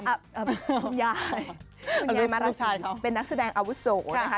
คุณยายคุณยายมารชัยเป็นนักแสดงอาวุโสนะคะ